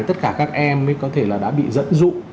tất cả các em mới có thể là đã bị dẫn dụ